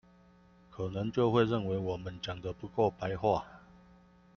可能就會認為我們講得不夠白話